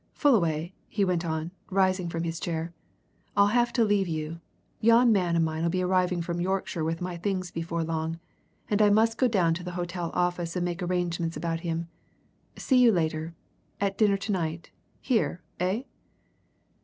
Fullaway," he went on, rising from his chair, "I'll have to leave you yon man o' mine'll be arriving from Yorkshire with my things before long, and I must go down to the hotel office and make arrangements about him. See you later at dinner to night, here, eh?"